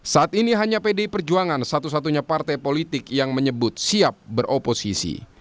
saat ini hanya pdi perjuangan satu satunya partai politik yang menyebut siap beroposisi